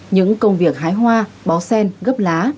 những công việc hái hoa bó sen gấp lá